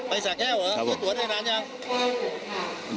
ไปสระแก้วเหรอซื้อตั๋วได้นานยัง